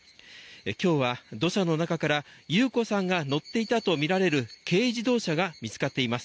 今日は土砂の中から優子さんが乗っていたとみられる軽自動車が見つかっています。